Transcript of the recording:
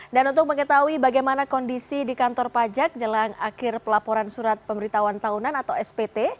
dan untuk mengetahui bagaimana kondisi di kantor pajak jelang akhir pelaporan surat pemberitahuan tahunan atau spt